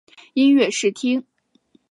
音乐试听